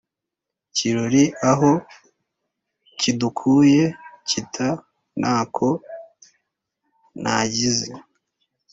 Kirora aho kidukuye kita ntako ntagize